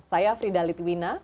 saya fridalit wina